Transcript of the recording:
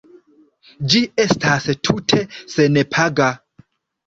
Ĝi estas tute senpaga.